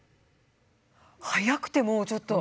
速くてもうちょっと。